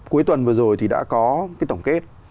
cuối tuần vừa rồi thì đã có cái tổng kết